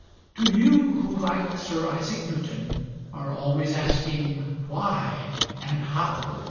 To you who, like Sir Isaac Newton, are always asking "Why.?" and " How.?"